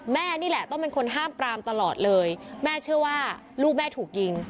แม่นี่แหละต้องเป็นคนห้ามปรามตลอดเลยแม่เชื่อว่าลูกแม่ถูกยิง